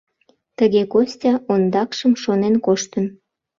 Тыге Костя ондакшым шонен коштын.